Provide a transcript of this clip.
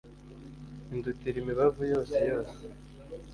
indutira imibavu yose yose